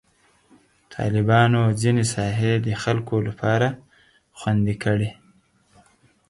طالبانو ځینې ساحې د خلکو لپاره خوندي کړي.